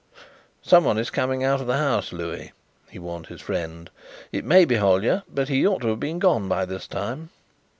"Someone is coming out of the house, Louis," he warned his friend. "It may be Hollyer, but he ought to have gone by this time."